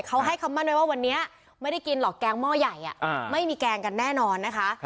เขาให้คำมั่นไว้ว่าวันนี้ไม่ได้กินหรอกแกงหม้อใหญ่ไม่มีแกงกันแน่นอนนะคะ